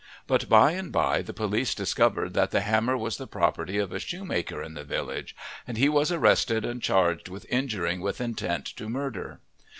But by and by the police discovered that the hammer was the property of a shoemaker in the village, and he was arrested and charged with injuring with intent to murder.